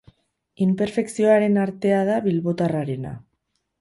Inperfekzioaren artea da bilbotarrarena.